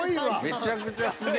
めちゃくちゃすげぇ。